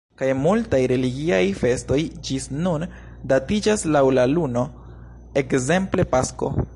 Kaj multaj religiaj festoj ĝis nun datiĝas laŭ la luno, ekzemple pasko.